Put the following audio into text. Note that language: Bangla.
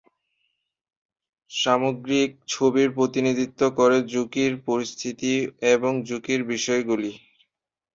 সামগ্রিক ছবি প্রতিনিধিত্ব করে ঝুঁকির পরিস্থিতি এবং ঝুঁকির বিষয়গুলির।